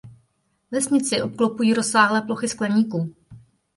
Vesnici obklopují rozsáhlé plochy skleníků.